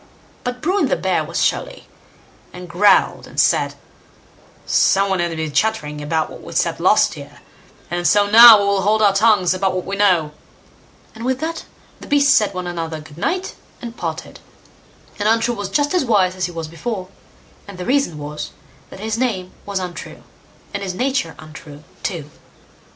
But Bruin the bear was surly, and growled and said: "Some one has been chattering about what we said last year, and so now we will hold our tongues about what we know"; and with that the beasts bade one another "Good night", and parted, and Untrue was just as wise as he was before, and the reason was, that his name was Untrue, and his nature untrue too.